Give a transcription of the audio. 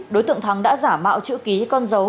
đối tượng thắng đã giả mạo chữ ký con dấu